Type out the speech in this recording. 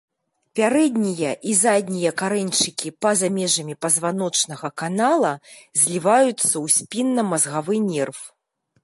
Пярэднія і заднія карэньчыкі па-за межамі пазваночнага канала зліваюцца ў спіннамазгавы нерв.